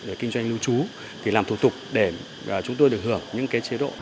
để kinh doanh lưu trú làm thủ tục để chúng tôi được hưởng những chế độ